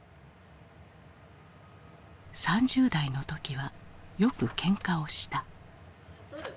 ３０代の時はよくケンカをした。